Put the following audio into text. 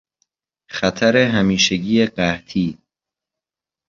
خطر همیشگی قحطی